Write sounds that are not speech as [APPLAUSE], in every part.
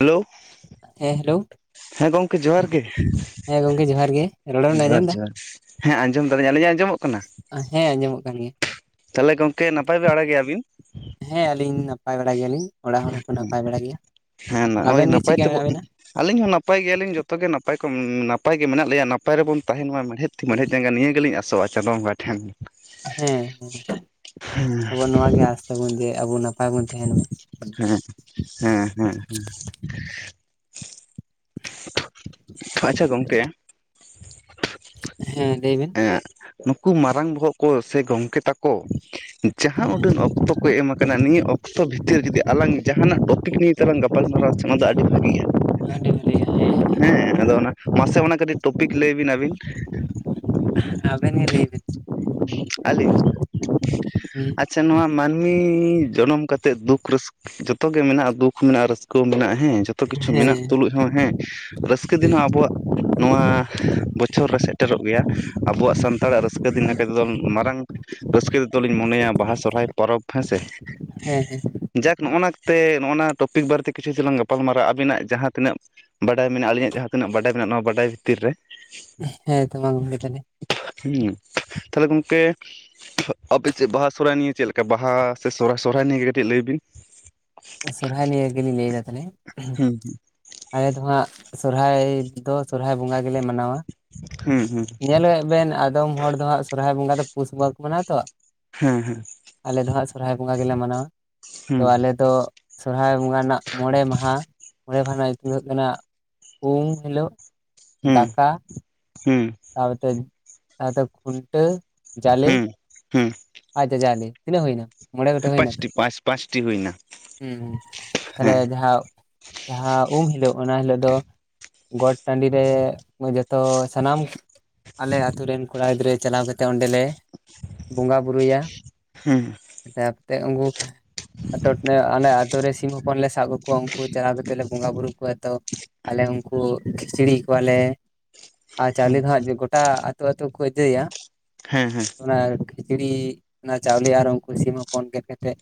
Hello ᱦᱮᱸ hello ᱦᱮᱸ ᱜᱚᱝᱠᱮ ᱡᱚᱦᱟᱨ ᱜᱮ ᱦᱮᱸ ᱜᱚᱝᱠᱮ ᱡᱚᱦᱟᱨ ᱜᱮ ᱨᱚᱲ ᱵᱮᱱ ᱟᱸᱡᱚᱢ ᱡᱚᱦᱟᱨ ᱮᱫᱟ ᱡᱚᱦᱟᱨ ᱦᱮᱸ ᱟᱸᱡᱚᱢ ᱫᱟᱞᱤᱧ ᱟᱹᱞᱤᱧᱼᱟᱜ ᱟᱸᱡᱚᱢᱼᱚᱜᱼᱼ ᱦᱮᱸ ᱟᱸᱡᱚᱢᱚᱜ ᱠᱟᱱ ᱜᱮᱭᱟ ᱛᱟᱦᱚᱞᱮ ᱜᱚᱝᱠᱮ ᱱᱟᱯᱟᱭ ᱵᱟᱲᱟ ᱜᱮᱭᱟᱵᱤᱱ ᱦᱮᱸ ᱟᱹᱞᱤᱧ ᱱᱟᱯᱟᱭ ᱵᱟᱲᱟ ᱜᱮᱭᱟᱞᱤᱧ ᱚᱲᱟᱜ ᱦᱚᱲ ᱦᱚᱸᱠᱚ ᱱᱟᱯᱟᱭ ᱵᱟᱲᱟ ᱜᱮᱭᱟ᱾ ᱦᱮᱸ ᱱᱚᱜᱼᱚᱭ ᱟᱵᱮᱱ ᱜᱮ ᱱᱟᱯᱟᱭ ᱪᱮᱫᱠᱟ ᱛᱮᱵᱚ ᱢᱮᱱᱟᱜ ᱵᱮᱱᱟ? ᱟᱹᱞᱤᱧ ᱦᱚᱸ ᱱᱟᱯᱟᱭ ᱜᱮᱭᱟᱞᱤᱧ ᱡᱚᱛᱚᱮ ᱱᱟᱯᱟᱭ ᱠᱚ ᱱᱟᱯᱟᱭ ᱜᱮ ᱢᱮᱱᱟᱜ ᱞᱮᱭᱟ ᱱᱟᱯᱟᱭ ᱨᱮᱵᱚᱱ ᱛᱟᱦᱮᱸᱱ ᱢᱟ᱾ ᱢᱮᱬᱦᱮᱫ ᱛᱤ ᱢᱮᱬᱦᱮᱫ ᱡᱟᱸᱜᱟ ᱱᱤᱭᱟᱹ ᱜᱮᱞᱤᱧ ᱟᱥᱚᱜᱼᱟ ᱪᱟᱸᱫᱳ ᱵᱚᱸᱜᱟ ᱴᱷᱮᱱ᱾ ᱦᱮᱸ ᱟᱵᱚ ᱱᱚᱣᱟ ᱜᱮ ᱟᱸᱥ ᱛᱟᱵᱚᱱ ᱡᱮ ᱟᱵᱚ ᱱᱟᱯᱟᱭ ᱵᱚᱱ ᱛᱟᱦᱮᱸᱱ ᱢᱟ᱾ ᱦᱮᱸ ᱦᱮᱸ ᱦᱮᱸ ᱦᱮᱸ ᱟᱪᱪᱷᱟ ᱜᱚᱝᱠᱮᱼᱼ ᱦᱮᱸ ᱞᱮᱹᱭᱵᱮᱱ ᱾ ᱮᱸᱜ ᱱᱩᱠᱩ ᱢᱟᱨᱟᱝ ᱵᱚᱦᱚᱜ ᱠᱚ ᱥᱮ ᱜᱚᱝᱠᱮ ᱛᱟᱠᱚ ᱡᱟᱦᱟᱸ ᱦᱮᱸ ᱩᱰᱟᱹᱱ ᱚᱠᱛᱚᱼᱼ ᱠᱚ ᱮᱢ ᱟᱠᱟᱱᱟ ᱱᱤᱭᱟᱹ ᱚᱠᱛᱚ ᱵᱷᱤᱛᱤᱨ ᱡᱩᱫᱤ ᱟᱞᱟᱝ ᱡᱟᱦᱟᱱᱟᱜ ᱴᱚᱯᱤᱠ ᱱᱤᱭᱮ ᱛᱮᱞᱟᱝ ᱜᱟᱯᱟᱞᱢᱟᱨᱟᱣ ᱟᱪᱮ ᱚᱱᱟ ᱫᱚ ᱟᱹᱰᱤ ᱵᱷᱟᱹᱜᱤᱜᱼᱟ ᱾ ᱟᱹᱰᱤ ᱵᱷᱟᱹᱞᱤᱭᱟᱹ ᱦᱮᱸᱼᱼ ᱦᱮᱸ ᱟᱫᱚ ᱚᱱᱟ ᱢᱟᱥᱮ ᱚᱱᱟ ᱠᱟᱹᱴᱤᱡ ᱴᱚᱯᱤᱠ ᱞᱟᱹᱭ ᱵᱤᱱ ᱟᱵᱤᱱᱼᱼ ᱟᱵᱤᱱ ᱜᱮ ᱞᱟᱹᱭ ᱵᱤᱱ ᱥᱮᱼᱼ ᱟᱹᱞᱤᱧ, ᱦᱩᱸ ᱟᱪᱪᱷᱟ ᱱᱚᱣᱟ ᱢᱟᱱᱢᱤ ᱡᱚᱱᱚᱢ ᱠᱟᱛᱮᱫ ᱫᱩᱠ ᱨᱟᱹᱥᱼᱼ ᱡᱚᱛᱚ ᱜᱮ ᱢᱮᱱᱟᱜᱼᱟ ᱫᱩᱠ ᱦᱚᱸ ᱢᱮᱱᱟᱜᱼᱟ ᱨᱟᱹᱥᱠᱟᱹ ᱦᱚᱸ ᱢᱮᱱᱟᱜᱼᱟ ᱦᱮᱸ ᱡᱚᱛᱚ ᱠᱤᱪᱷᱩ ᱦᱮᱸ ᱢᱮᱱᱟᱜ ᱛᱩᱞᱩᱡᱼᱼ ᱦᱚᱸ ᱦᱮᱸ ᱨᱟᱹᱥᱠᱟᱹ ᱦᱮᱸ ᱫᱤᱱ ᱦᱚᱸ ᱟᱵᱚᱣᱟᱜᱼᱼ ᱱᱚᱣᱟ ᱵᱚᱪᱷᱚᱨ ᱨᱮ ᱥᱮᱴᱮᱨᱚᱜ ᱜᱮᱭᱟ ᱟᱵᱚᱣᱟᱜ ᱥᱟᱱᱛᱟᱲᱟᱜ ᱨᱟᱹᱥᱠᱟᱹ ᱫᱤᱱ ᱦᱟᱸᱜᱼᱼ ᱮᱠᱫᱚᱢ ᱢᱟᱨᱟᱝ ᱨᱟᱹᱥᱠᱟᱹ ᱛᱮᱫᱚᱞᱤᱧ ᱢᱚᱱᱮᱭᱟ ᱵᱟᱦᱟ ᱥᱚᱨᱦᱟᱭ ᱯᱚᱨᱚᱵᱽ ᱦᱮᱸ ᱥᱮ? ᱦᱮᱸ ᱦᱮᱸᱼᱼ ᱡᱟᱠ ᱱᱚᱜᱼᱱᱟᱛᱮ ᱱᱚᱜᱼᱱᱟ ᱴᱚᱯᱤᱠ ᱵᱟᱨᱮᱛᱮ ᱠᱤᱪᱷᱩ ᱠᱤᱪᱷᱩ ᱞᱟᱝ ᱜᱟᱯᱟᱞᱢᱟᱨᱟᱜ ᱟᱵᱤᱱᱟᱜ ᱡᱟᱦᱟᱸ ᱛᱤᱱᱟᱹᱜᱼᱼ ᱵᱟᱰᱟᱭ ᱢᱮᱱᱟᱜᱼᱟ ᱟᱹᱞᱤᱧᱟᱜ ᱡᱟᱦᱟᱸ ᱛᱤᱱᱟᱹᱜ ᱵᱟᱰᱟᱭ ᱢᱮᱱᱟᱜᱼᱟ ᱱᱚᱣᱟ ᱵᱟᱰᱟᱭ ᱵᱷᱤᱛᱤᱨ ᱨᱮᱼᱼ ᱦᱮᱭ ᱢᱟ ᱜᱚᱝᱠᱮ ᱛᱟᱦᱞᱮᱼᱼ ᱦᱩᱸᱼᱼ ᱛᱟᱞᱦᱮ ᱜᱚᱝᱠᱮᱼᱼ ᱟᱯᱮ ᱪᱮᱜ ᱵᱟᱦᱟ ᱥᱚᱨᱚᱦᱚᱨᱟᱭ ᱱᱤᱭᱮ ᱪᱮᱫ ᱞᱮᱠᱟ ᱵᱟᱦᱟ ᱥᱮ ᱥᱚᱨᱦᱟᱭ ᱥᱚᱨᱦᱟᱭ ᱱᱤᱭᱮ ᱜᱮ ᱠᱟᱴᱤᱡ ᱞᱟᱹᱭ ᱵᱤᱱᱼᱼ ᱥᱚᱨᱦᱟᱭ ᱱᱤᱭᱮ ᱜᱮᱞᱤᱧ ᱞᱟᱹᱭᱮᱫᱟ ᱛᱟᱞᱦᱮ ᱦᱩᱸ ᱟᱞᱮ ᱫᱚ ᱦᱟᱸᱜ ᱥᱚᱨᱦᱟᱭ ᱫᱚᱼᱼ ᱥᱚᱨᱦᱟᱭ ᱵᱚᱸᱜᱟ ᱜᱮᱞᱮ ᱢᱟᱱᱟᱣᱟ ᱦᱩᱸ ᱦᱩᱸ ᱧᱮᱞᱮᱜ ᱵᱮᱱ ᱟ ᱫᱚᱢ ᱦᱚᱲ ᱫᱚ ᱦᱟᱸᱜ ᱥᱚᱨᱦᱟᱭ ᱵᱚᱸᱜᱟ ᱫᱚ ᱯᱩᱥ ᱵᱟᱹᱜᱟ ᱠᱚ ᱢᱟᱱᱟᱣᱟ ᱛᱚ, ᱦᱮᱸ-ᱦᱮᱸ᱾ ᱟᱞᱮ ᱫᱚ ᱦᱟᱸᱜ ᱥᱚᱨᱦᱟᱭ ᱵᱚᱸᱜᱟ ᱜᱮᱞᱮ ᱢᱟᱱᱟᱣᱟ ᱛᱚ ᱦᱩᱸ ᱟᱞᱮ ᱫᱚ, ᱥᱚᱨᱦᱟᱭ ᱵᱚᱸᱜᱟ ᱨᱮᱱᱟᱜ ᱢᱚᱬᱮ ᱢᱟᱦᱟ ᱢᱚᱬᱮ ᱢᱟᱦᱟ, ᱢᱚᱬᱮ ᱢᱟᱦᱟᱸ ᱨᱮᱱᱟᱜ ᱧᱩᱛᱩᱢ ᱫᱚ ᱦᱩᱭᱩᱜ ᱠᱟᱱᱟ ᱩᱢ ᱦᱤᱞᱳᱜ, ᱦᱮᱸ, ᱦᱮᱸ᱾ ᱛᱟᱨᱯᱚᱨᱛᱮ, ᱛᱟᱨᱯᱚᱛᱮ ᱠᱷᱩᱱᱴᱟᱹ ᱡᱟᱞᱮ, ᱦᱩᱸ ᱦᱩᱸ ᱟᱨ ᱡᱟᱡᱟᱞᱮ ᱛᱤᱱᱟᱹᱜ ᱦᱩᱭᱱᱟ᱾ ᱢᱚᱬᱮ ᱜᱚᱴᱟᱝ ᱦᱩᱭᱱᱟ ᱛᱚ, ᱯᱟᱸᱪᱴᱤ ᱯᱟᱸᱪ ᱯᱟᱸᱪᱴᱤ ᱦᱩᱭᱱᱟ ᱦᱮᱸ-ᱦᱮᱸ ᱛᱟᱦᱞᱮ ᱦᱮᱸ ᱡᱟᱦᱟᱸ, ᱡᱟᱦᱟᱸ ᱩᱢ ᱦᱤᱞᱳᱜ ᱚᱱᱟ ᱦᱤᱞᱳᱜ ᱫᱚ᱾ ᱜᱚᱴ ᱴᱟᱺᱰᱤ ᱨᱮ ᱡᱚᱛᱚ ᱥᱟᱱᱟᱢ, ᱟᱞᱮ ᱟᱛᱳ ᱨᱮᱱ ᱠᱚᱲᱟ ᱜᱤᱫᱽᱨᱟᱹ ᱪᱟᱞᱟᱣ ᱠᱟᱛᱮ ᱚᱸᱰᱮᱞᱮ ᱵᱚᱸᱜᱟ ᱵᱩᱨᱩᱭᱟ᱾ ᱦᱮᱸ᱾ ᱛᱟᱨᱯᱚᱨᱛᱮ ᱩᱝᱠᱩ, ᱟᱛᱳᱴ ᱮᱸ ᱟᱞᱮ ᱟᱛᱳ ᱨᱮ ᱥᱤᱢ ᱦᱚᱯᱚᱱ ᱞᱮ ᱥᱟᱜ ᱠᱟᱠᱚᱣᱟ ᱩᱱᱠᱩ ᱪᱟᱞᱟᱣ ᱠᱟᱛᱮᱜ ᱞᱮ ᱵᱚᱸᱜᱟ ᱵᱩᱨᱩ ᱠᱚᱣᱟ ᱛᱚ᱾ ᱟᱞᱮ ᱩᱝᱠᱩ ᱠᱷᱤᱪᱲᱤ ᱠᱚᱣᱟᱞᱮ᱾ ᱟᱨ ᱪᱟᱣᱞᱤ ᱫᱚᱦᱟᱸᱜ ᱜᱚᱴᱟ ᱟᱹᱛᱩ-ᱟᱹᱛᱩ ᱠᱚ ᱤᱫᱤᱭᱟ᱾ ᱦᱮᱸ-ᱦᱮᱸ᱾ ᱚᱱᱟ ᱠᱷᱤᱪᱲᱤ ᱚᱱᱟ ᱪᱟᱣᱞᱮ ᱟᱨ ᱩᱱᱠᱩ ᱥᱤᱢ ᱦᱚᱯᱚᱱ ᱜᱮᱫ ᱠᱟᱛᱮᱜ,